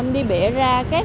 đi bỉa ra các